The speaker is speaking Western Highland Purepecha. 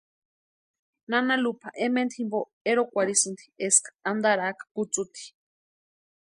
Nana Lupa ementa jimpo erokwarhisïnti eska antaraaka putsuti.